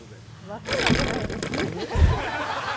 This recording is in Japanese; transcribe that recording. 分かるわけないですね。